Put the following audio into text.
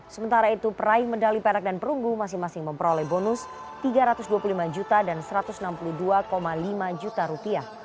sementara itu peraih medali perak dan perunggu masing masing memperoleh bonus rp tiga ratus dua puluh lima juta dan rp satu ratus enam puluh dua lima juta